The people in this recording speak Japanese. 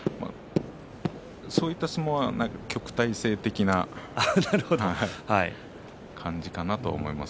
そういった相撲は旭大星的な感じかなと思います。